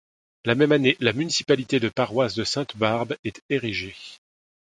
La même année, la municipalité de paroisse de Sainte-Barbe est érigée.